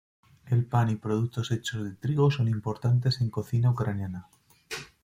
El pan y productos hechos de trigo son importantes en cocina ucraniana.